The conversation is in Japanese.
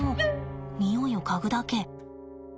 匂いを嗅ぐだけ。